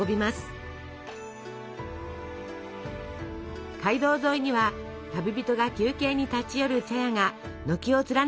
街道沿いには旅人が休憩に立ち寄る茶屋が軒を連ねていました。